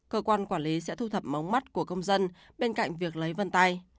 cơ quan quản lý sẽ thu thập mống mắt của công dân bên cạnh việc lấy vân tay